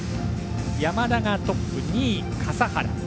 山田がトップ、２位に笠原。